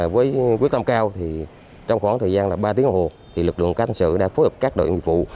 với quyết tâm cao trong khoảng thời gian ba tiếng hồi lực lượng cánh sự đã phối hợp các đội dịch vụ